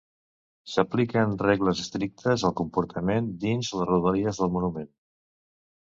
S'apliquen regles estrictes al comportament dins les rodalies del monument.